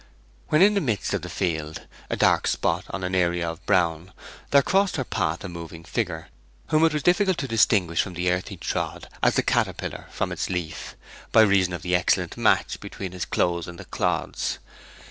When in the midst of the field, a dark spot on an area of brown, there crossed her path a moving figure, whom it was as difficult to distinguish from the earth he trod as the caterpillar from its leaf, by reason of the excellent match between his clothes and the clods.